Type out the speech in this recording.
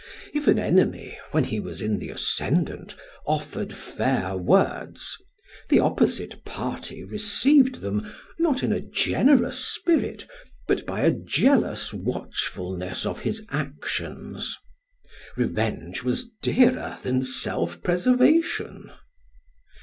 If an enemy when he was in the ascendant offered fair words, the opposite party received them, not in a generous spirit, but by a jealous watchfulness of his actions. Revenge was dearer than self preservation.